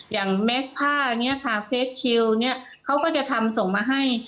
แมสผ้าเนี่ยค่ะเฟสชิลเนี่ยเขาก็จะทำส่งมาให้